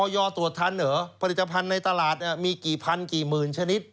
ตรวจทันเหรอผลิตภัณฑ์ในตลาดมีกี่พันกี่หมื่นชนิด